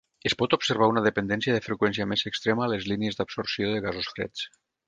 Es pot observar una dependència de freqüència més extrema a les línies d'absorció de gasos freds.